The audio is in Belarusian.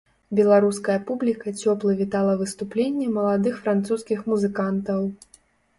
Беларуская публіка цёпла вітала выступленне маладых французскіх музыкантаў.